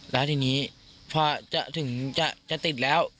แล้วทีนี้พอจะถึงจะติดแล้ว